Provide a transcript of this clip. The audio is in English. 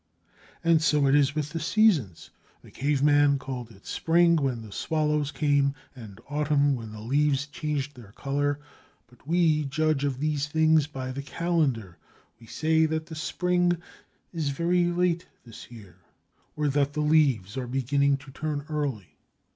And so it is with the seasons. The caveman called it spring when the swallows came, and autumn when the leaves changed their color. But we judge of these things by the calendar; we say that the spring "is very late this year," or that the "leaves are beginning to turn early."